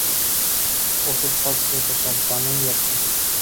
ওষুধপত্র তো সব জানাই আছে।